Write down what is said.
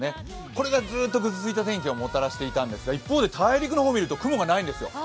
これがずーっとぐずついた天気をもたらしていたんですが、一方で大陸の方を見ると雲がないんですよ。